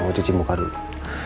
kamu cuci muka dulu